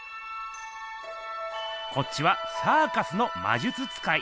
こっちはサーカスの魔術使い。